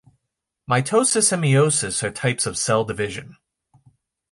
Mitosis and meiosis are types of cell division.